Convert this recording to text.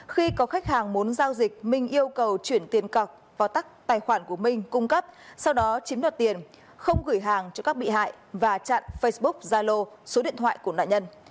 khi có khách hàng muốn giao dịch minh yêu cầu chuyển tiền cọc vào tắc tài khoản của minh cung cấp sau đó chiếm đoạt tiền không gửi hàng cho các bị hại và chặn facebook zalo số điện thoại của nạn nhân